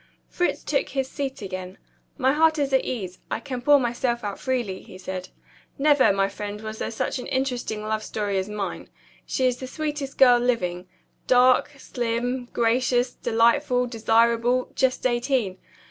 Fritz took his seat again. "My heart is at ease; I can pour myself out freely," he said. "Never, my friend, was there such an interesting love story as mine. She is the sweetest girl living. Dark, slim, gracious, delightful, desirable, just eighteen.